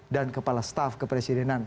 dan kepala staf kepresidenan